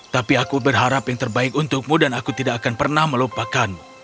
tapi aku berharap yang terbaik untukmu dan aku tidak akan pernah melupakanmu